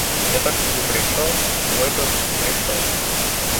Я так собі прийшов, випив і прийшов.